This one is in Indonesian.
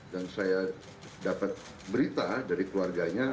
dan saya dapat berita dari keluarganya